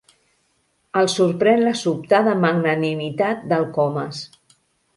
El sorprèn la sobtada magnanimitat del Comas.